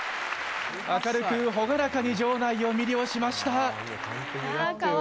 明るく朗らかに場内を魅了しました。